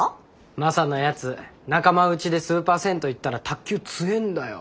マサのやつ仲間うちでスーパー銭湯行ったら卓球強んだよ。